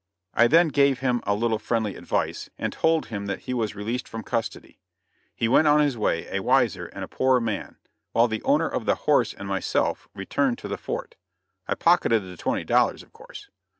I then gave him a little friendly advice, and told him that he was released from custody. He went on his way a wiser and a poorer man, while the owner of the horse and myself returned to the fort. I pocketed the twenty dollars, of course.